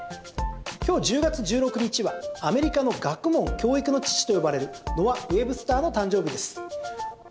今日１０月１６日はアメリカの学問・教育の父と呼ばれるノア・ウェブスターの誕生日です。